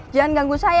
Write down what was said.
jangan ganggu saya ya